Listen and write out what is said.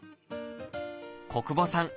小久保さん